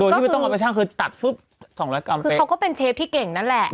โดยที่ไม่ต้องเอาไปชั่งคือตัดฟึ๊บสองรกรรมคือเขาก็เป็นเชฟที่เก่งนั่นแหละ